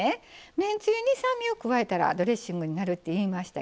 めんつゆに酸味を加えたらドレッシングになるって言いましたけど